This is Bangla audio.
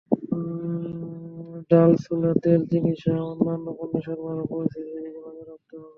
ডাল, ছোলা, তেল, চিনিসহ অন্যান্য পণ্যের সরবরাহ পরিস্থিতির দিকে নজর রাখতে হবে।